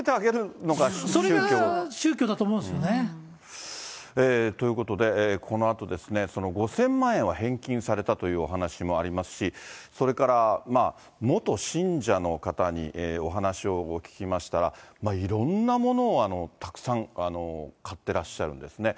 それが宗教だと思うんですよということで、このあとですね、５０００万円は返金されたというお話もありますし、それから、元信者の方にお話を聞きましたら、いろんなものをたくさん買ってらっしゃるんですね。